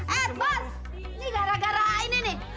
eh bos ini gara gara ini nih